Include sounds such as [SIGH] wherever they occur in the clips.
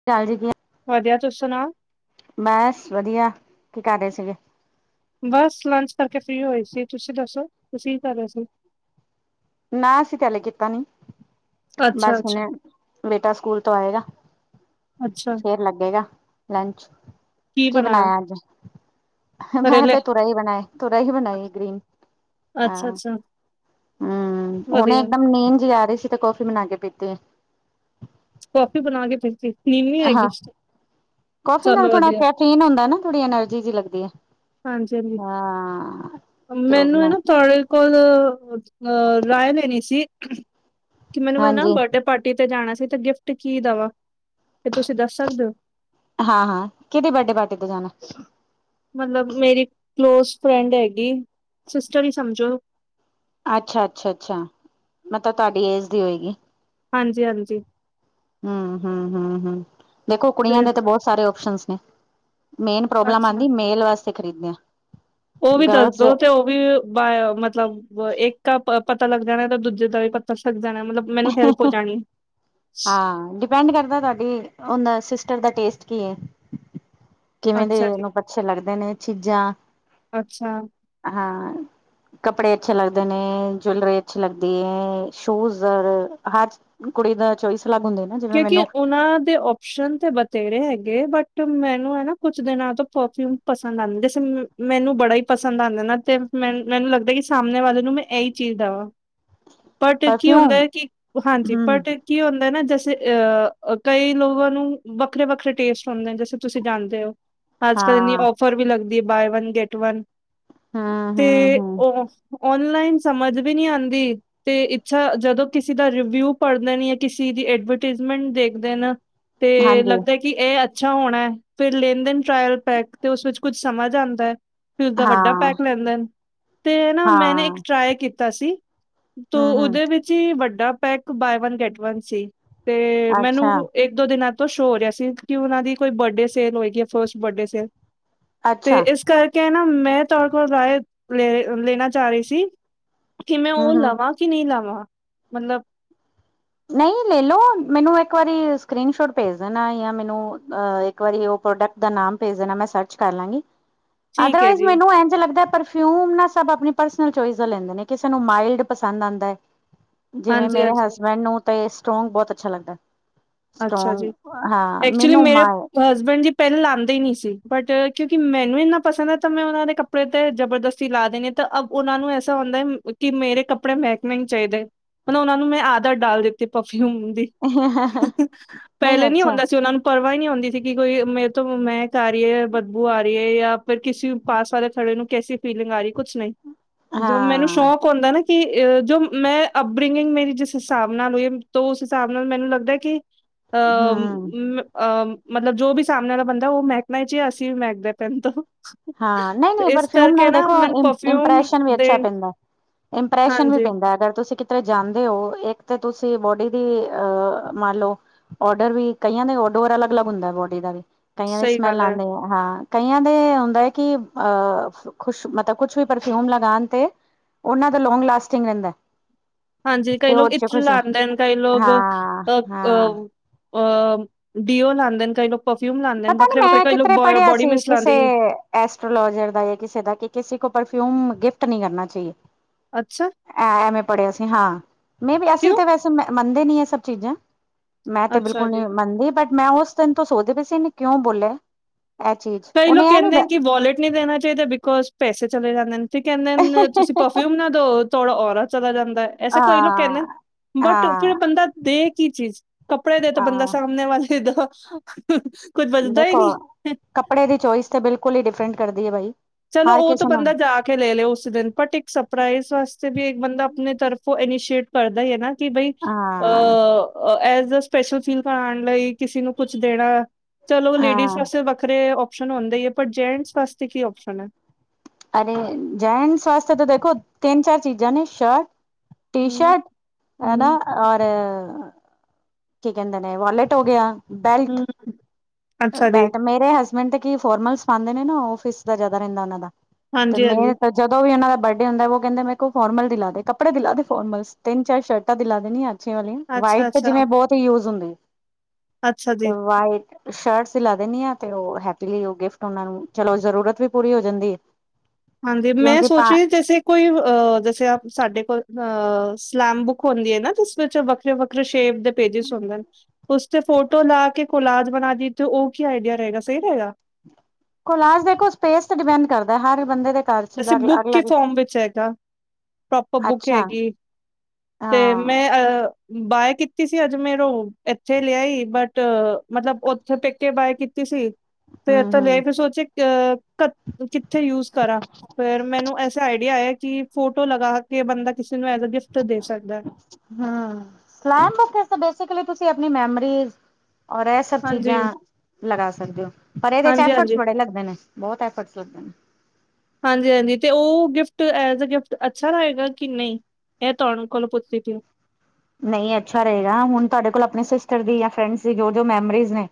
[UNINTELLIGIBLE] ਚਾ ਲ ਜੀ ਦੀ ਐ ਵਧੀਆ ਤੁਸ ਸੁਨਾਔ? ਬਸ ਵਧੀਆ, ਕੀ ਕਰ ਰਹੇ ਸੀਗੇ। ਬਸ ਲੰਚ ਕਰਕੇ ਫ੍ਰੀ ਹੋਏ ਸੀ ਤੁਸੀਂ ਦੱਸੋ, ਤੁਸੀਂ ਕੀ ਕਰ ਰਹੇ ਸੀ? ਨਾ ਅਸੀਂ ਤੇ ਹਲੇ ਕੀਤਾ ਨੀ। ਬਸ ਅੱਛਾ-ਅੱਛਾ, ਹੂਣੇ ਬੇਟਾ ਸਕੂਲ ਤੋਂ ਆਏਗਾ ਅੱਛਾ ਅੱਛਾ ਫੇਰ ਲੱਗੇਗਾ ਲੰਚ ਕੀ ਬਣਾਯਾ ਅੱਜ? ਮੈਂ ਕਰੇਲੇ? ਤੇ ਤੂਰੈਹੀ ਬਣਾਏ ਤੂਰੈਹੀ ਬਣਾਈ ਗ੍ਰੀਨ ਹਾਂ। ਅੱਛਾ-ਅੱਛਾ ਹੂੰ ਹੁਣੇ ਵਧੀਆ ਇੱਕਦਮ ਨੀਂਦ ਜੀ ਆ ਰਹੀ ਸੀ ਤੇ ਕੌਫੀ ਬਨਾ ਕੇ ਪੀਤੀ। ਕੋਫੀ ਬਣਾ ਕੇ ਪੀਤੀ [UNINTELLIGIBLE] ਕਾਫੀ ਨਾਲ ਚਲੋ ਥੋੜਾ ਵਧੀਆ ਕੈਫੀਨ [UNINTELLIGIBLE] ਹੁੰਦੈ ਨਾ ਥੋੜੀ ਐਨਰਜੀ ਜਿ ਲਗਦੀ ਏ। ਹਾਂਜੀ-ਹਾਂਜੀ ਹਾਂ, ਤੇ ਔ ਮੈਨੂੰ ਇਹ ਨਾ ਬਨਾਨਾ ਤੁਹਾਡੇ ਕੋਲ ਅ ਰਾਏ ਲੈਣੀ ਸੀ, [UNINTELLIGIBLE] ਕਿ ਮੈਨੂੰ ਹੈ ਨਾ ਹਾਂਜੀ ਬਰਡੇ ਪਾਰਟੀ ਟੀ ਤੇ ਜਾਣਾ ਸੀ ਤੇ ਗਿਫਟ ਕੀ ਦਵਾਂ ਤੇ ਤੁਸੀਂ ਦੱਸ ਸਕਦੇ ਔ? ਹਾਂ- ਹਾਂ ਕਿਦੀ ਬਡੇ ਪਾਰਟੀ ਤੇ ਜਾਨਾ? ਮਤਲਬ ਮੇਰੀ ਇਕ ਬੈਸਟ ਫਰੈਂਡ ਹੈਗੀ ਸਿਸਟਰ ਈ ਸਮਝੋ। ਅੱਛਾ-ਅੱਛਾ- ਅੱਛਾ ਮਤਲਬ ਤਾਡੀ ਏਜ ਦੀ ਹੋਏਗੀ। ਹਾਂਜੀ- ਹਾਂਜੀ। ਹਮ- ਹਮ- ਹਮ-ਹਮ ਦੇਖੋ ਕੁੜੀਆਂ ਤੇ ਨੇ ਤਾਂ ਬੋਤ ਸਾਰੇ ਔਪਸ਼ਨਸ ਨੇ। ਮੇਨ ਪ੍ਰੋਬਲਮ ਅੱਛਾ ਆੰਦੀ ਮੇਲ ਵਾਸਤੇ ਖ਼ਰੀਦਨੇ। ਔਹ ਵੀ ਦੱਸਦੋ ਤੇ ਔਹ ਵੀ ਬਾਏ ਮਤਲਬ ਅ ਇੱਕ ਆ ਤਾ ਪਤਾ ਲੱਗ ਜਾਣਾ ਤਾਂ ਦੂਜੇ ਦਾ ਵੀ ਪਤਾ ਲੱਗ ਜਾਣਾ ਮਤਲਬ ਮੈਨੂੰ ਫੇਰ ਭੁਲ ਜਾਣੀ। ਫਰੇੰਡ ਕਰਦਾ ਤਾਡੀ ਔਂਦਾ ਸਿਸਟਰ ਦਾ ਟੇਸਟ ਕੀ ਏ? ਕਿਵੇਂ ਅੱਛਾ ਦੇ ਜੀ, ਔਨੂੰ ਪਛੇ ਲੱਗਦੇ ਨੇ ਚੀਜ਼ਾਂ ਅੱਛਾ ਹਾਂ ਕੱਪੜੇ ਅੱਛੇ ਲੱਗਦੇ ਨੇ, ਜੂਲਰੀ ਅੱਛੀ ਲੱਗਦੀ ਏ, ਸ਼ੂਜ ਅਰ ਹਰ ਕੁੜੀ ਦੇ ਚੋਇਸ ਅਲੱਗ ਹੁੰਦੇ ਨੇ ਕਿਉਂਕਿ ਔਨਾਂ ਦੇ ਔਪ ਸ਼ਨ ਤੇ ਬਥੇਰੇ ਹੈਗੇ, ਬਟ ਮੈਨੂੰ ਹੈਨਾ ਕੁਛ ਦਿਨਾਂ ਤੋਂ ਪਰਫਿਊਮ ਪਸੰਦ ਆਂਦੇ ਸੀ [UNINTELLIGIBLE] ਮੈਨੂੰ ਬੜਾ ਈ ਪਸੰਦ ਆੰਦਾ ਨਾ ਤੇ ਮੈ ਮੈਨੂੰ ਲੱਗਦਾ ਕਿ ਸਾਹਮਣੇ ਵਾਲੇ ਨੂੰ ਮੈਂ ਏਈ ਚੀਜ਼ ਦਵਾਂ। ਬਟ ਕੀ ਹੁੰਦਾ ਪਰਫਿਊਮ ਹੈ ਕਿ ਹਾਂਜੀ, ਹੂੰ ਬਟ ਕੀ ਹੁੰਦਾ ਨਾ ਜ ਅ ਕਈ ਲੋਕਾਂ ਨੂੰ ਵੱਖਰੇ- ਵੱਖਰੇ ਟੇਸਟ ਹੁੰਦੇ ਨੇ ਜੈਸੇ ਤੁਸੀਂ ਜਾਣਦੇ ਹੋ। ਅੱਜ -ਕੱਲ ਇੰਨੀ ਹਾਂ ਔਫਰ ਵੀ ਲੱਗਦੀ ਏ ਬਾਏ ਵਨ ਗੈਟ ਵਨ, ਹੂੰ, ਤੇ ਹੂੰ, ਹੂੰ ਔਹ ਔਨਲਾਈਨ ਸਮਝ ਵੀ ਨੀ ਆੰਦੀ ਤੇ ਇੱਛਾ ਜਦੋਂ ਕਿਸੇ ਦਾ ਰਿਵਿਊ ਪੜ੍ਹ ਲੈੰਨੀ ਆ ਕਿਸੇ ਦੀ ਏਡਵਰ ਟੇਝਮੈਨ ਦੇਖਦੇ ਆ ਨਾ, ਤੇ ਹਾਂਜੀ ਲੱਗਦਾ ਕਿ ਏਹ ਅੱਛਾ ਹੋਣਾ, ਫੇਰ ਲੇਣ -ਦੇਣ ਟਰਾਇਲ ਪੈਕ ਤੇ ਉਸ ਵਿੱਚ ਕੁੱਝ ਸਮਝ ਆਂਦਾ ਕਿ ਇਸਦਾ ਵੱਡਾ ਹਾਂ, ਪੈਕ ਲੈਂਦੇ ਨ ਤੇ ਨਾ ਮੈ ਨਾ ਹਾਂ ਇੱਕ ਟਰਾਏ ਕੀਤਾ ਸੀ- ਤੇ ਹੂੰ, ਹੂੰ ਔਦੇ ਵਿੱਚ ਈ ਵੱਡਾ pack buy one get one ਸੀ ਤੇ ਅੱਛਾ, ਮੈਨੂੰ ਇੱਕ- ਦੋ ਦਿਨਾਂ ਤੋਂ ਸ਼ੋਅ ਹੋ ਰਿਹਾ ਸੀ ਕਿ ਔਨਾ ਦੀ ਕੋਈ ਬਡੇ ਸੇਲ ਹੋਏਗੀ ਯਾਂ ਫਸਟ ਬਡੇ ਸੇਲ- ਤੇ ਅੱਛਾ ਇਸ ਕਰਕੇ ਨਾ ਮੈਂ ਤੋਡੇ ਕੋਲ ਰਾਏ ਲੇ ਲਲਣਾ ਚਾ ਰੀ ਸੀ- ਕਿ ਮੈ ਹੂੰ, ਔ ਹੂੰ ਲਵਾਂ ਕਿ ਨੀ ਲਵਾਂ, ਮਤਲਬ? ਨਈ ਲੈ ਲੋ। ਮੈਨੂੰ ਇੱਕ ਵਾਰੀ ਸਕ੍ਰੀਨਸ਼ੋਟ ਭੇਜ ਦੇਣਾ ਯਾ ਮੈਨੂੰ ਔ ਅ ਇਕ ਵਾਰੀ ਔ ਪ੍ਰੋਡਕਟ ਦਾ ਨਾਮ ਭੇਜ ਦੇਣਾ, ਮੈਂ ਸਰਚ ਕਰ ਲਾਂਗੀ। ਠੀਕ ਹੈ ਅਦਰਵਾਈਜ਼ ਜੀ ਮੈਨੂੰ ਐਂਝ ਲੱਗਦਾ, ਪਰ। ਔਨਾ ਸਬ ਅਪਨੀ ਪਰਸਨਲ ਚੋਆਇਸ ਦਾ ਲੈਂਡ ਦੇ ਨੇ, ਕਿਸੇ ਨੂੰ ਮਾਇਲਡ ਪਸੰਦ ਆਦਾਂ। ਜਿਵੇਂ ਹਾਂਜੀ ਮੇਰੇ ਹਾਂਜੀ ਹਸਬੈਂਡ ਨੂੰ ਤਾਂ ਏ ਸਟ੍ਰੌਂਗ ਬੋਤ ਅੱਛਾ ਲੱਗਦੈ। ਸਟ੍ਰੌਂਗ ਹਾਂ, ਮੈਨੂੰ ਮਾਂਓ। ਤੇ ਹਸਬੈਂਡ ਜੀ ਪੇਲ ਲਾਂਦੇ ਈ ਨੀ ਸੀ ਬਟ ਕਿਉਂਕਿ ਮੈਨੂੰ ਇੰਨਾ ਪਸੰਦ ਐ ਤੇ ਮੈਂ ਓਨਾਂ ਦੇ ਕਪ ੜੇ ਤੇ ਜਬਰਦਸਤੀ ਲਾ ਦੇਨੀ ਆਂ ਤੇ ਅਬ ਓਨਾਂ ਨੂੰ ਐਸਾ ਹੁੰਦੈ ਕਿ ਮੇਰੇ ਕੱਪੜੇ ਮਹੈਕਨੇ ਨੀ ਚਾਈਦੇ। ਪਰ ਓਨਾਂ ਨੂੰ ਮੈਂ ਆਦਤ ਡਾਲ ਦਿੱਤੀ ਪਰਫਿਊਮ ਦੀ। [UNINTELLIGIBLE] ਨਹੀਂ ਪੈਲੇ ਨੀ ਅੱਛਾ ਹੋਂਦਾ ਸੀ ਓਨਾਂ ਨੂੰ। ਪਰਵਾਅ ਈ ਨੀ ਹੁੰਦੀ ਸੀ ਕਿ ਬਈ ਮੇਰੇ ਤੋਂ ਮੈਂ ਤਾਰੀ ਏ ਯਾਂ ਬਦਬੂ ਆ ਰੀ ਏ ਯਾ ਫਿਰ ਕਿਸੀ ਪਾ ਆਲੇ ਥੋੜੇ ਨੂੰ ਕੈਸੀ ਫੀਲਿੰਗ ਆ ਰੀ ਏ, ਕੁਛ ਨਈ। ਜਦੋਂ ਮੈਨੂੰ ਹਾਂ ਸ਼ੌਕ ਹੋਂਦੈ ਨਾ ਕਿ ਅ ਜੋ ਮੈਂ ਅਪਬ੍ਰਿੰਗਿੰਗ ਮੇਰੀ ਜਿਸ ਹਿਸਾਬ ਨਾਲ ਹੋਈ ਏ ਤੋ ਉਸ ਹਿਸਾਬ ਨਾਲ ਮੈਨੂੰ ਲੱਗਦੈ ਕਿ ਅ ਹੂੰ ਮ ਅ ਮਤਲਬ, ਜੋ ਬੀ ਸਾਹਮਣੇ ਆਲਾ ਬੰਦੈ ਓ ਮਹੈਕਨਾ ਈ ਚਈਏ, ਅਸੀ ਵੀ ਮਹੈਕਦੇ ਪਏ ਆਂ ਹੁਨ ਤੋ। ਹਾਂ, ਨਈ-ਨਈ, ਪਰਫਿਊਮ ਨਾਲ ਦੇਖੋ ਇਮ ਪਰਫਿਊਮ ਇਮਪ੍ਰੈਸ਼ਨ ਵੀ ਦੇ ਅੱਛਾ ਪੇਂਦੈ। ਇਮਪ੍ਰੈਸ਼ਨ ਵੀ ਹਾਂਜੀ, ਪੇਂਦੈ, ਅਗਰ ਤੁਸੀ ਕਿ ਧਰੇ ਜਾਂਦੇ ਓ, ਏੱਕ ਤੇ ਤੁਸੀ ਬੋਡੀ ਦੀ ਅ ਮੰਨ ਲੋ ਓਡਰ ਵੀ ਕਈਆਂ ਦੇ ਓਡੋਵਰ ਅਲੱਗ-ਅਲੱਗ ਹੁੰਦੈ, ਬੋਡੀ ਦਾ ਵੀ। ਕਈਆਂ ਦੀ ਸਹੀ ਗੱਲ ਸਮੈਲ ਐ। ਆਂਦੀ ਅ, ਹਾਂ, ਕਈਆਂ ਦੇ ਦੈ ਕਿ ਆ ਖੁਸ਼, ਮਤਲਬ ਕੁਛ ਵੀ ਪਰਫਿਊਮ ਲਗਾਨ ਤੇ ਓਨਾਂ ਦਾ ਲੌਂਗ ਲਾਸਟਿੰਗ ਰੈਂਦੈ। ਹਾਂਜੀ, ਕਈ ਲੋਕ ਇਤ੍ਰ ਲਾਂਦੇ ਨ, ਕਈ ਲੋਗ ਅ ਹਾਂ-ਹਾਂ ਅ ਡੀਓ ਲਾਂਦੇ ਨ, ਕਈ ਲੋਕ ਪਰਫਿਊਮ ਲਾਂਦੇ ਨ, ਪਤਾ ਨੀ ਵੱਖਰੇ-ਵੱਖਰੇ। ਕਈ ਲੋਕ ਬੋ ਬੋਡੀ ਮਿਸਟ ਲਾਂਦੇ। ਐਸਟਰੋਲੋਜਰ ਦਾ ਯ ਕਿਸੇ ਦਾ ਕਿ ਕਿਸੀ ਕੋ ਪਰਫਿਊਮ ਗਿਫਟ ਨੀ ਕਰਨਾ ਚਾਹੀਏ। ਅੱਛਾ, ਐ ਐਵੇਂ ਪੜ੍ਹਿਆ ਸੀ। ਹਾਂ, ਮੈਂ ਵੀ ਅਸੀਂ ਤ ਕਿਉਂ? ਵੈਸੇ ਤੇ ਮੈ ਮੰਨਦੇ ਨੀ ਐ ਸਭ ਚੀਜਾਂ। ਮੈਂ ਤੇ ਅੱਛਾ ਬਿਲਕੁਲ ਜੀ। ਨੀ ਮੰਨਦੀ। ਬਟ ਮੈਂ ਓਸ ਦਿਨ ਤੋਂ ਸੋਚਦੀ ਪਈ ਸੀ ਕਿਉਂ ਬੋਲੇਐ? ਕਈ ਲੋਗ ਕੈਂਦੇ ਨੇ ਕਿ ਵੋਲਟ ਨਈ ਦੇਨਾ ਚਾਈਦਾ ਬਿਕੌਜ਼ ਪੈਸੇ ਚਲੇ ਜਾਂਦੇ ਨ। ਤੇ ਕੈਂਦੇ ਨ ਤੁਸੀ ਹਾਂ ਪਰਫਿਊਮ ਨਾ ਦਿਓ, ਤੇ ਓ ਓਰਾ ਚਲਾ ਜਾਂਦੈ। ਐਸੇ ਕੋਈ ਲੋਗ ਕੈਂਦੇ ਨ। ਬਟ ਫੇਰ ਹਾਂ ਬੰਦਾ ਦੇ ਕੀ ਚੀਜ਼? ਕੱਪੜੇ ਦੇ ਤੇ ਬੰਦਾ ਹਾਂ ਸਾਮਣੇ ਵਾਲੇ ਦੋ [UNINTELLIGIBLE] ਦੇਖੋ, ਕੱਪੜਿਆਂ ਦੀ ਚੋਇਸ ਤਾਂ ਬਿਲਕੁਲ ਈ ਡਿਫਰੈਂਟ ਕਰਦੀ ਏ ਬਾਈ। ਚਲੋ, ਹਰ ਓ ਤਾਂ ਕਿਸੇ ਨੂੰ ਬੰਦਾ ਜਾ ਕੇ ਲੇ ਲੇ, ਓਸ ਦਿਨ, ਬਟ ਇੱਕ ਸਰਪ੍ਰਾਈਜ਼ ਵਾਸਤੇ ਵੀ ਬੰਦਾ ਆਪਣੇ ਤਰਫੋਂ ਏਨੀਸ਼ੀਏਟ ਕਰਦਾ ਈ ਏ ਨਾ ਕਿ ਬਈ ਹਾਂ ਅ ਐਜ਼ ਏ ਸਪੈਸ਼ਲ ਫੀਲ ਕਰਾਣ ਲਈ ਕਿਸੀ ਨੂੰ ਕੁਛ ਦੇਣਾ ਚਲੋ, ਲੇਡੀਜ਼ ਹਾਂ ਵਾਸਤੇ ਵੱਖਰੇ ਓਪਸ਼ਨ ਹੁੰਦੇ ਈ ਏ ਪਰ ਜੈਂਟਸ ਵਾਸਤੇ ਕੀ ਓਪਸ਼ਨ ਐ? ਅਰੇ ਜੈਂਟਸ ਆਸਤੇ ਤਾਂ ਦੇਖੋ, ਤਿੰਨ-ਚਾਰ ਚੀਜਾਂ ਨੇ, ਸ਼ਰਟ ਹੂੰ। ਟੀ-ਸ਼ਰਟ ਹੈ ਨਾ, ਹੂੰ, ਔਰ ਕੀ ਕੈਂਦੇ ਨੇ ਵਾਲੇਟ ਹੋ ਗਿਆ, ਬੈਲਟ ਹੂੰ, ਅੱਛਾ ਜੀ, ਬਟ ਮੇਰੇ ਹਸਬੈਂਡ ਤੇ ਕੀ ਫੋਰਮਲਜ਼ ਪਾਂਦੇ ਨੇ ਨਾ, ਓਫਿਸ ਦਾ ਜਿਆਦਾ ਰੇਂਦਾ ਓਨਾਂ ਦਾ। ਤੇ ਹਾਂਜੀ-ਹਾਂਜੀ, ਮੇਹਤ ਜਦੋਂ ਵੀ ਓਨਾਂ ਦਾ ਬਰਡੇ ਹੁੰਦੈ ਵੋ ਕੈਂਦੇ ਨੇ ਮੇਰੇ ਕੋ ਫੋਰਮਲ ਦਿਲਾ ਦੇ, ਕੱਪੜੇ ਦਿਲਾ ਦੇ, ਫੋਰਮਲਸ। ਤਿੰਨ ਚਾਰ ਸ਼ਰਟਾਂ ਦਿਲਾ ਦੇਨੀਂ ਆਂ ਅੱਛੀ ਵਾਲੀ। ਵਾਈਟ ਤੇ ਅੱਛਾ-ਅੱਛਾ, ਅੱਛਾ ਜਿਵੇਂ ਅੱਛਾ, ਬੋਤ ਯੂਜ਼ ਹੁੰਦੀ ਅੱਛਾ ਜੀ, ਏ। ਵਾਈਟ ਸ਼ਰਟਸ ਦਿਲਾ ਦੇਨੀਂ ਆ ਤੇ ਓ ਹੈਪੀਲੀ ਓ ਗਿਫਟ ਓਨਾ ਨੂੰ ਚਲੋ ਜ਼ਰੂਰਤ ਵੀ ਪੂਰੀ ਹੋ ਜਾਂਦੀ ਏ। ਹਮ, ਹਾਂਜੀ, ਮੈਂ ਸੋਚ ਰੀ ਆਂ ਜੈਸੇ ਕੋਈ ਅ ਜੇਸੇ ਆਪ ਸਾਡੇ ਕੋਲ ਅ ਸਲੈਮ ਬੁੱਕ ਹੋਂਦੀ ਏ ਨਾ ਤੁਸ ਵਿੱਚ ਬ ਵੱਖਰੇ ਵੱਖਰੇ ਸ਼ੇਪ ਦੇ ਪੇਜਿਸ ਹੁੰਦੇਨ। ਉਸ ਤੇ ਫੋਟੋ ਲਾ ਕੇ ਕੋਲਾਜ ਬਣਾ ਦੀਏ ਤੇ ਓ ਕੀ ਆਈਡੀਆ ਰਏਗਾ ਸਈ ਰਏਗਾ? ਕੋਲਾਜ ਦੇਖੋ ਸਪੇਸ ਤੇ ਡਿਪੈਂਡ ਕਰਦੈ ਹਰ ਬੰਦੇ ਦੇ। ਘਰ ਚ ਜੈਸੇ ਬੁੱਕ ਕੇ ਅਲੱਗ-ਅਲੱਗ ਫੋਮ ਵਿੱਚ ਹੈਗਾ ਪ੍ਰੋਪਰ ਬੁੱਕ ਅੱਛਾ ਹੈਗੀ। ਤੇ ਹਾਂ ਮੈਂ ਅ ਬਾਏ ਕੀਤੀ ਸੀ ਅੱਜ ਮੇਰੋ ਏਥੇ ਲੇਆਈ ਬਟ ਮਤਲਬ ਓਥੋ ਪੇਕੇ ਬਾਏ ਕੀਤੀ ਸੀ। ਤੇ ਏਤੇ ਹੂੰ-ਹੂੰ ਲੇਆਈ ਫਿਰ ਸੋਚਿਆ ਅ ਕਿੱਥੇ ਯੂਜ ਕਰਾਂ? ਫੇਰ ਮੈਨੂੰ ਐਸਾ ਆਈਡੀਆ ਆਇਆ ਕਿ ਫੋਟੋ ਲਗਾ ਕੇ ਬੰਦਾ ਕਿਸੇ ਨੂੰ ਐਜ ਏ ਗਿਫਟ ਦੇ ਸਕਦਾ। ਹਾਂ ਸਲਾਇਮ ਬੁਕ ਬੇਸਿਕਲੀ ਤੁਸੀਂ ਆਪਣੀ ਮੈਮਰੀਸ ਔਰ ਸਭ ਹਾਂਜੀ, ਚੀਜ਼ਾਂ ਲਗਾ ਸਕਦੇ ਓ ਪਰ ਇਦੇ ਚ ਐਫਰਟਸ ਹਾਂਜੀ-ਹਾਂਜੀ, ਬੜੇ ਲੱਗਦੇ ਨੇ ਬੌਤ ਐਫਰਟਸ ਲੱਗਦੇ ਨੇ। ਹਾਂਜੀ, ਹਾਂਜੀ ਤੇ ਓ ਗਿਫਟ ਐਜ ਏ ਗਿਫਟ ਅੱਛਾ ਰਏਗਾ ਕਿ ਨਈ? ਐ ਤੁਆਨੂੰ ਕੋਲ ਪੁੱਛਦੀ ਪੀ ਓ। ਨਈ ਅੱਛਾ ਰਏਗਾ ਹੁਣ ਤੁਆਡੇ ਕੋਲ ਆਪਣੇ ਸਿਸਟਰ ਦੀ ਜਾਂ ਫਰੈਂਡਸ ਦੀ ਜੋ ਜੋ ਮੈਮਰੀਜ਼ ਨੇ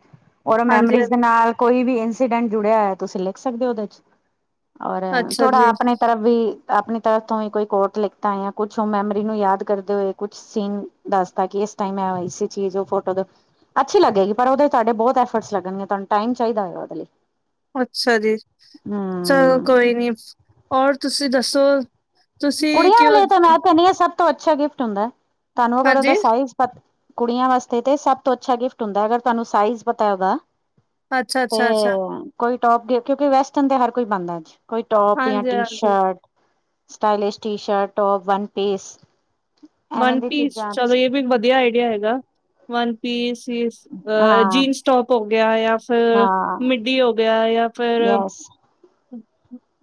ਔਰ ਐ ਹਾਂਜੀ, ਮੈਮਰੀਜ਼ ਹਾਂ- ਦੇ ਨਾਲ ਕੋਈ ਵੀ ਇੰਸੀਡੈਂਟ ਜੁੜਿਆ ਹੋਇਆ ਤੁਸੀਂ ਲਿਖ ਸਕਦੇ ਓ ਓਦੇ ਚ। ਔਰ ਅੱਛਾ ਥੋੜਾ ਜੀ, ਆਪਣੇ ਤਰਫ ਵੀ ਆਪਣੀ ਤਰਫ ਤੋਂ ਈ ਕੋਈ ਕੋਟ ਲਿਤਾ ਆ ਕੁੱਛ ਓ ਮੈਮਰੀ ਨੂੰ ਯਾਦ ਕਰਦੇ ਹੋਏ ਕੁੱਛ ਸੀਨ ਦੱਸਤਾ ਕਿ ਇਸ ਟਾਈਮ ਮੈ ਆਈ ਸੀ ਚੀਜ਼ ਓ ਫੋਟੋ ਦੇ ਅੱਛੀ ਲੱਗੇਗੀ ਪਰ ਓਦੇ ਚ ਤੁਆਡੇ ਬੌਤ ਐਫਰਟਸ ਲੱਗਣਗੇ ਤੁਆਨੂੰ ਟਾਈਮ ਚਾਈਦਾ ਹੋਏ ਗਾ ਓਦੇ ਲਈ। ਅੱਛਾ ਜੀ, ਚਲੋ ਹਮ ਕੋਈ ਨੀ ਔਰ ਤੁਸੀਂ ਦੱਸੋ? ਤੁਸੀਂ ਕੁੜੀਆਂ ਕਿਉਂ ਵਲੇ ਤਾਂ ਮੈਂ ਕੈਨੀ ਆਂ ਸਭ ਤੋਂ ਅੱਛਾ ਗਿਫਟ ਹੁੰਦਾ ਤਾਨੂੰ ਅਗਰ ਹਾਂਜੀ? ਓਦਾ ਸਾਈਜ਼ ਪਤ ਕੁੜੀਆਂ ਵਾਸਤੇ ਤੇ ਸਭ ਤੋਂ ਅੱਛਾ ਗਿਫਟ ਹੁੰਦਾ ਅਗਰ ਤਾਨੂੰ ਸਾਈਜ਼ ਪਤਾ ਏ ਓਦਾ। ਅੱਛਾ, ਤੇ ਅੱਛਾ, ਅੱਛਾ। ਕੋਈ ਟੋਪ ਦੇਖਿਓ ਕਿ ਵੈਸਟਰਨ ਤੇ ਹਰ ਕੋਈ ਪਾਂਦਾ ਅੱਜ ਕੋਈ ਟੋਪ ਯਾ ਟੀ ਹਾਂਜੀ-ਹਾਂਜੀ, shirt stylish T shirt top one piece. ਐਵੇਂ ਵਨ ਦੀ ਪੀਸ ਚੀਜ਼ਾਂ ਚਲੋ ਏ ਵੀ ਵਧੀਆ ਆਈਡੀਆ ਹੈਗਾ ਵਨ ਪੀਸ, ਸਲੀਵਸ ਅ ਹਾਂ ਜੀਨਸ ਟੋਪ ਹੋ ਗਿਆ ਯਾ ਫੇਰ ਹਾਂ ਮਿੱਡੀ ਹੋ ਗਿਆ ਯਾ ਫਿਰ ਯਸ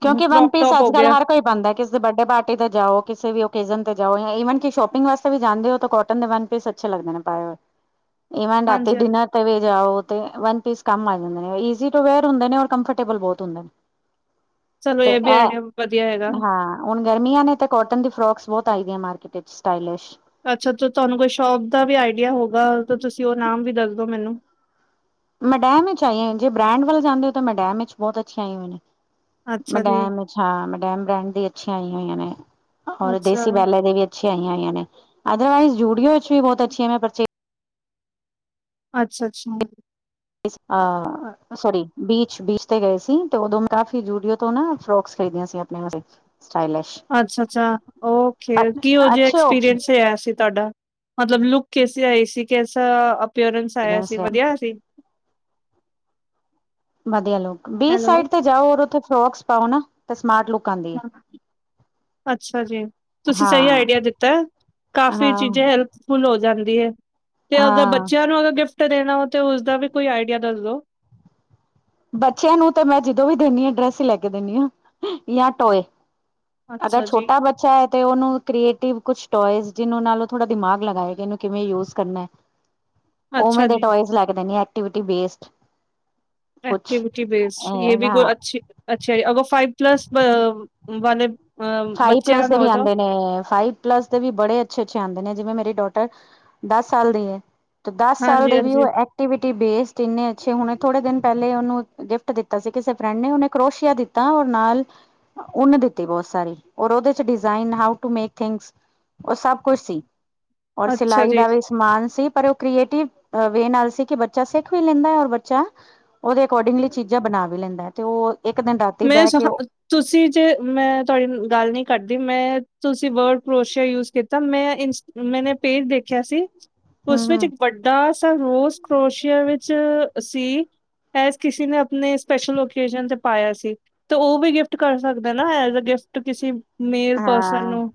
ਕਿਉਂਕਿ ਵਨ ਕਰੋਪ ਪੀਸ ਟੋਪ ਅੱਜ ਹੋ ਕੱਲ੍ਹ ਗਿਆ ਹਰ ਕੋਈ ਪਾਂਦਾ ਏ ਬਰਡੇ ਪਾਰਟੀ ਤੇ ਜਾਓ ਕਿਸੇ ਵੀ ਓਕੇਜਨ ਤੇ ਜਾਓ ਜਾਂ ਈਵਨ ਕਿ ਸ਼ੋਪਿੰਗ ਵਾਸਤੇ ਵੀ ਜਾਂਦੇ ਓ ਤਾਂ ਕੋਟਨ ਦੇ ਵਨ ਪੀਸ ਅ ਅੱਛੇ ਲੱਗਦੇ ਨੇ ਪਾਏ ਹੋਏ ਇਵਨ ਰਾਤੀ ਹਾਂਜੀ-ਹਾਂਜੀ, ਡਿਨਰ ਤੇ ਵੀ ਜਾਓ ਤੇ ਵਨ ਪਿਸ ਕੰਮ ਆ ਜਾਂਦੇ ਨੇ ਈਜ਼ੀ ਟੂ ਵਿਅਰ ਹੁੰਦੇ ਨੇ ਔਰ ਕੰਫਰਟੇਬਲ ਬੌਤ ਹੁੰਦੇ ਨੇ। ਸਾਨੂੰ ਤੇ ਏ ਬੀ ਆਈਡੀਆ ਇਹ ਵਧੀਆ ਹੈਗਾ। ਹਾਂ ਹੁਣ ਗਰਮੀਆਂ ਨੇ ਤੇ ਕੋਟਨ ਦੀ ਫਰੋਕਸ ਬੌਤ ਆਈ ਦੀਆਂ ਮਾਰਕੀਟ ਇਚ ਸਟਾਈਲਿਸ਼। ਅੱਛਾ ਤੇ ਤੁਆਨੂੰ ਕੋਈ ਸ਼ੋਪ ਦਾ ਵੀ ਆਈਡੀਆ ਹੋਊਗਾ ਤੇ ਤੁਸੀ ਓ ਨਾਮ ਵੀ ਦੱਸਦੋ ਮੈਨੂੰ। ਮੈਡੈਮ ਵਿੱਚ ਆਈ ਹਾਂ ਜੇ ਬ੍ਰੈਂਡ ਵੱਲ ਜਾਂਦੇ ਓ ਤਾਂ ਮੈਡੈਮ ਵਿੱਚ ਬੌਤ ਅੱਛੇ ਆਏ ਹੋਏ ਨੇ। ਅੱਛਾ ਜੀ, 'ਮੈਡੈਮ' ਇਚ ਹਾਂ 'ਮੈਡੈਮ' ਬ੍ਰੈਂਡ ਦੀ ਅੱਛੀਆਂ ਆਈ ਹੋਈਆਂ ਨੇ। ਔਰ ਅੱਛਾ, ਦੇਸੀ ਬੈਲਾਂ ਦੇ ਵੀ ਅੱਛੀ ਆਈਆਂ ਹੋਈਆਂ ਨੇ ਅਦਰਵਾਈਜ਼ ਜੂਡੀਓ ਵਿੱਚ ਵੀ ਬੌਤ ਅੱਛੀਆਂ ਮੈਂ ਬੱਚੇ ਅੱਛ, ਅੱਛਾ। ਮਿਸ ਆ ਸੋਰੀ ਬੀਚ, ਬੀਚ ਤੇ ਗਏ ਸੀ ਤੇ ਉਦੋਂ ਕਾਫੀ ਜੂਡੀਓ ਤੋਂ ਨਾ ਫਰੋਕਸ ਖਰੀਦੀਆਂ ਸੀ। [UNINTELLIGIBLE] ਸਟਾਈਲੀਸ਼ ਅੱਛਾ, ਅੱਛਾ ਓ ਕੇ ਕਿਓ ਜਿਆ ਅੱਛੇ ਓਪਸ਼ਨ ਐਕਸਪੀਰੀੰਸ ਰਿਆ ਸੀ ਤੁਆਡਾ? ਮਤਲਬ ਲੁਕ ਕੈਸੀ ਆਈ ਸੀ? ਕੈਸਾ ਅਪੀਅਰੈਂਸ ਆਇਆ ਸੀ? ਵਧੀਆ ਆਇਆ ਸੀ? ਵਧੀਆ ਲੁਕ, ਬੀਚ ਹੈਲੋ। ਸਾਈਡ ਤੇ ਜਾਓ ਔਰ ਉਥੇ ਫਰੋਕਸ ਪਾਓ ਨਾ ਤੇ ਸਮਾਰਟ ਲੁਕ ਆਂਦੀ ਏ। ਹਾਂ, ਅੱਛਾ ਜੀ, ਤੁਸੀਂ ਸਈ ਹਾਂ ਆਈਡੀਆ ਦਿੱਤਾ ਏ ਕਾਫੀ ਹਾਂ ਚੀਜ਼ਾਂ ਹੈਲਪ ਫੁਲ ਹੋ ਜਾਂਦੀ ਐ ਤੇ ਅਗਰ ਹਾਂ ਬੱਚਿਆਂ ਨੂੰ ਅਗਰ ਗਿਫਟ ਦੇਣਾ ਹੋ ਤੇ ਉਸਦਾ ਵੀ ਕੋਈ ਆਈਡੀਆ ਦੱਸਦੋ? ਬੱਚਿਆਂ ਨੂੰ ਤੇ ਮੈਂ ਜਦੋਂ ਵੀ ਦਿੰਨੀ ਆ ਡਰੈਸ ਈ ਲੈ ਕੇ ਦਿੰਨੀ ਆ ਜਾਂ ਟੋਏ। ਅਗਰ ਅੱਛਾ ਜੀ, ਛੋਟਾ ਬੱਚਾ ਐ ਤੇ ਉਨੂੰ ਕ੍ਰੀਏਟਿਵ ਕੁਛ ਟੋਆਏਸ ਜਿਹਨੂੰ ਨਾਲ ਥੋੜਾ ਦਿਮਾਗ ਲਗਾਏ ਗਾ ਇਹਨੂੰ ਕਿਵੇਂ ਯੂਜ ਕਰਨਾ ਐ। ਉਵੇਂ ਅੱਛਾ ਦੇ ਜੀ। ਟੋਏਸ ਲੈ ਕੇ ਦੇਣੇ ਆ ਐਕਟੀਵੀਟੀ ਬੇਸਡ। ਕੁਛ ਐਕਟੀਵਿਟੀ ਬੇਸਡ ਯੇ ਵੀ ਹਾਂ ਅੱਛੀ, ਅੱਛੀ ਆ ਵੋ ਫਾਈਵ ਪਲੱਸ ਵ ਵਾਲੇ ਫਾਈਵ ਪਲੱਸ ਦੇ ਵੀ ਆਂਦੇ ਨੇ ਫਾਈਵ ਪਲੱਸ ਦੇ ਵੀ ਬੜੇ ਅੱਛੇ-ਅੱਛੇ ਆਂਦੇ ਨੇ ਜਿਵੇਂ ਮੇਰੀ ਡੋਟਰ ਦਸ ਸਾਲ ਦੀ ਏ ਤੇ ਦਸ ਸਾਲ ਦੇ ਵੀ ਓ ਐ ਟੀਵਿਟੀ ਬੇਸਡ ਇੰਨੇ ਅੱਛੇ ਹੁਣੇ ਥੋੜੇ ਦਿਨ ਪਹਿਲੇ ਓਨੂੰ ਗਿਫਟ ਦਿੱਤਾ ਸੀ ਕਿਸੇ ਫਰੈਂਡ ਨੇ ਔਨੇ ਕਰੋਸ਼ੀਆ ਦਿੱਤ ਤਾ ਔਰ ਨਾਲ ਉੱਨ ਦਿੱਤੀ ਬੋਤ ਸਾਰੀ। ਔਰ ਉਹਦੇ ਚ design how to make things ਓ ਸਭ ਕੁਛ ਸੀ। ਔਰ ਸਿਲਾਈ ਦਾ ਵੀ ਸਮਾਨ ਸੀ। ਪਰ ਓ ਕ੍ਰੀਏਟਿਵ ਵੇ ਨਾਲ ਸੀ ਕਿ ਬੱਚਾ ਸਿੱਖ ਵੀ ਲੇਂਦਾ ਐ ਔਰ ਬੱਚਾ ਔਦੇ ਅਕੋਰਡਿੰਗਲੀ ਚੀਜ਼ਾਂ ਬਣਾ ਵੀ ਲੈਂਦਾ ਐ ਤੇ ਓ ਮੇਂ [UNINTELLIGIBLE] ਤੁਸੀ ਜੇ ਮੈਂ ਤੁਅਡੀ ਗੱਲ ਨੀ ਕਟਦੀ ਮੈਂ ਤੁਸੀ ਵਰਡ ਕਰੋਸ਼ੀਆ ਯੂਜ਼ ਕੀਤਾ ਮੈਂ ਇੰਸ ਮੈਂਨੇ ਪੇਜ ਦੇਖਿਆ ਸੀ ਉਸ ਵਿੱਚ ਹੂੰ ਵੱਡਾ ਸਾ ਰੋਸ ਕਰੋਸ਼ੀਆ ਵਿੱਚ ਸੀ ਏਸ ਕਿਸੇ ਨੇ ਅਪਣੇ ਸਪੈਸ਼ਲ ਓਕੇਜਨ ਤੇ ਪਾਇਆ ਸੀ। ਤੇ ਓ ਵੀ ਗਿਫਟ ਕਰ ਸਕਦਾ ਨਾ ਐਜ਼ ਏ ਗਿਫਟ ਕਿਸੀ ਮੇਲ ਪਰਸਨ ਹਾਂ ਨੂੰ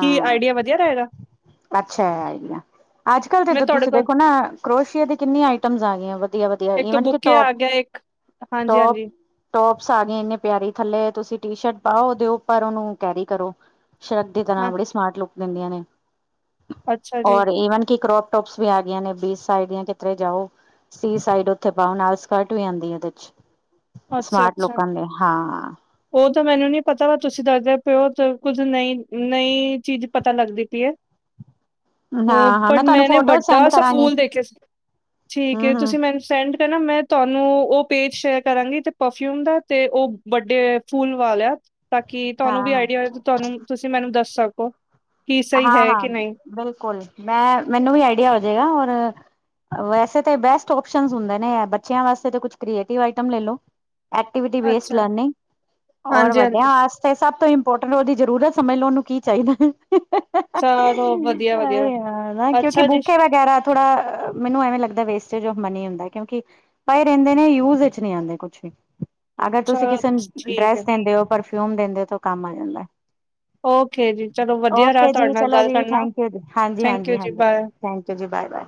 ਕੀ ਆਈਡੀਆ ਵਧੀਆ ਰਏਗਾ? ਅੱਛਾ। ਅੱਜ-ਕੱਲ੍ਹ ਤੇ ਦ ਤੁਹਾਡੇ ਤੁਸੀਂ ਕੋਲ ਦੇਖੋ ਨਾ ਕਰੋਸੀ਼ਏ ਦੀ ਕਿੰਨੀ ਆਈਟਮਸ ਆ ਗੀਆਂ ਵੇ ਵਧੀਆ ਵਧੀਆ ਇੱਕ ਤਾਂ ਈਵਨ ਕਿ ਬੁੱਕੇ ਟੋਪ, ਆ ਗਿਆ ਇੱਕ ਹਾਂਜੀ ਟੋਪ ਹਾਂਜੀ ਟੋਪਸ ਆ ਗਏ ਇੰਨੀ ਪਿਆਰੀ ਥੱਲੇ ਤੁਸੀ ਟੀ ਸ਼ਰਟ ਪਾਓ ਔਦੇ ਉਪਰ ਓਨੂੰ ਕੈਰੀ ਕਰੋ ਸ਼ਰ ਟ ਦੀ ਤਰ੍ਹਾਂ ਹਾਂ ਬੜੀ ਸਮਾਰਟ ਲੁੱਕ ਦਿੰਦੀਆਂ ਨੇ। ਅੱਛਾ ਜੀ ਔਰ ਈਵਨ ਕਿ ਕਰੋਪ ਟੋਪਸ ਵੀ ਆ ਗੀਆਂ ਨੇ ਬੀਚ ਸਾਈਡ ਦੀਆਂ ਕਿਤਰੇ ਜਾਓ ਸੀ ਸਾਈਡ ਓਥੇ ਪਾਓ, ਨਾਲ ਸਕਰਟ ਵੀ ਆਂਦੀ ਏਦੇ ਚ। ਅੱਛਾ ਸਮਾਰਟ ਅੱਛਾ। ਲੋਕਾਂ ਹਾਂ। ਓ ਤੇ ਮੈਨੂੰ ਨੀ ਪਤਾ ਤੁਸੀ ਦੱਸਦੇ ਪੇਓ ਤ ਕੁੱਝ ਨਈ, ਨਈ ਚੀਜ਼ ਪਤਾ ਲੱਗਦੀ ਪੀਏ। ਹਂ, ਹਾਂ ਹਾਂ ਪਰ ਮੈਂ ਤੁਹਾਨੂੰ ਮੈਂਨੇ ਫੋਟੋ ਵੱਡਾ ਸੈਂਡ ਸਾ ਕਰਾਂਗੀ ਫੂਲ ਦੇਖਿਆ ਸੀ। ਠੀਕ ਹੂੰ ਏ। ਹੂੰ ਤੁਸੀ ਮੈਨ ਸੈਂਡ ਕਰਨਾ ਮੈਂ ਤੁਹਾਨੂੰ ਓ ਪੇਜ ਸ਼ੇਅਰ ਕਰਾਂਗੀ ਤੇ ਪਰਫਿਊਮ ਦਾ ਤੇ ਓ ਵੱਡੇ ਫੂਲ ਵਾਲਿਆ ਤਾਂਕਿ ਤੁਆਨੂੰ ਵੀ ਹਾਂ ਆਈਡੀਆ ਤੁਆਨੂੰ ਤੁਸੀ ਮੈਨੂੰ ਦੱਸ ਸਕੋ। ਕੀ ਸਹੀ ਹਾਂ ਹੈ ਹਾਂ, ਕਿ ਨਹੀਂ। ਬਿਲਕੁਲ। ਮੈਂ ਮੈਨੂੰ ਵੀ ਆਈਡੀਆ ਹੋਜੇਗਾ ਔਰ ਵੈਸੇ ਤੇ ਬੈਸਟ ਓਪਸ਼ਨਸ ਹੁੰਦੇ ਨੇ ਬੱਚੇਆਂ ਵਾਸਤੇ ਤੇ ਕੁਛ ਕ੍ਰੀਏਟਿਵ ਆਈਟਮ ਲੈ ਲੋ। ਐਕਟੀਵਿਟੀ ਬੇਸਡ ਅੱਛਾ ਲਰਨਿੰਗ ਔਰ ਵੱਡਿਆਂ ਹਾਂਜੀ-ਹਾਂਜੀ ਆਸ ਤੇ ਸਭ ਤੋਂ ਇੰਪੋਰਟੈਂਟ ਔਦੀ ਜ਼ਰੂਰਤ ਸਮਝ ਲੋ ਓਨੂੰ ਕੀ ਚਾਈਦਾ। ਚਲਾਦੋ ਵਧੀਆ ਵਧੀਆ। ਨਾ ਕਿਉਂਕਿ ਅੱਛਾ ਜੀ। ਬੁਕੇ ਵਗੈਰਾ ਥੋੜਾ ਅ ਮੈਨੂੰ ਐਵੇਂ ਲੱਗਦਾ ਵੇਸਟੇਜ ਔਫ ਮਨੀ ਹੁੰਦਾ ਕਿਉਂਕਿ ਪਏ ਰਹਿੰਦੇ ਨੇ ਯੂਜ਼ ਇੱਚ ਨੀ ਆਂਦੇ ਕੁਛ ਵੀ, ਅਗਰ ਤੁਸੀ ਚਲੋ ਕਿਸੇ ਨੂੰ ਠੀਕ ਐ। ਡਰੈੱਸ ਦੇੰਦੇ ਓ ਪਰ ਫਿਊਮ ਦਿੰਦੇ ਤੋ ਕੰਮ ਆ ਜਾਂਦਾ। ਓਕੇ ਜੀ। ਚਲੋ ਵਧੀਆ ਰਾ ਓਕੇ ਤੁਆਡੇ ਜੀ ਨਾਲ ਚਲੋ ਗੱਲ ਜੀ ਕਰਨਾ। ਥੈਂਕ ਯੂ ਜੀ ਹਾਂਜੀ ਥੈਂਕ ਹਾਂਜੀ ਯੂ ਜੀ ਹਾਂਜੀ ਬਾਏ। ਥੈਂਕ ਯੂ ਜੀ ਬਾਏ ਬਾਏ।